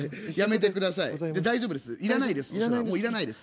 大丈夫です。